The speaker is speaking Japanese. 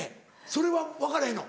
それは分からへんの？